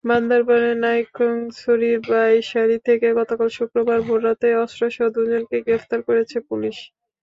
বান্দরবানের নাইক্ষ্যংছড়ির বাইশারি থেকে গতকাল শুক্রবার ভোররাতে অস্ত্রসহ দুজনকে গ্রেপ্তার করেছে পুলিশ।